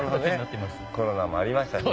コロナもありましたしね。